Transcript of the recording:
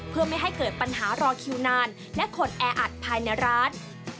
เพื่อไม่ให้เกิดปัญหารอคิวนานและคนแออัดภายในร้าน